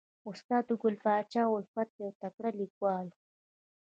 استاد ګل پاچا الفت یو تکړه لیکوال و